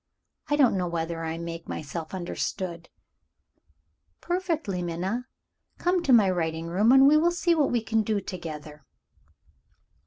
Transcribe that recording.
I don't know whether I make myself understood?" "Perfectly, Minna. Come to my writing room, and we will see what we can do together."